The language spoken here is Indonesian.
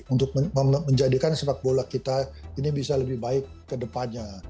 untuk menjadikan sepak bola kita ini bisa lebih baik ke depannya